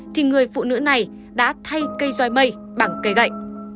thì người phụ nữ này đã thay cây doi mây bằng cây gậy